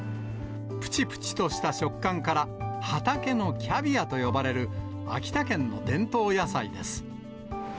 ぷちぷちとした食感から、畑のキャビアと呼ばれる秋田県の伝統野菜です。